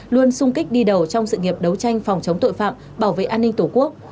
luôn sung kích đi đầu trong sự nghiệp đấu tranh phòng chống tội phạm bảo vệ an ninh tổ quốc